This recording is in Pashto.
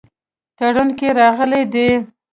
تړون کې راغلي دي.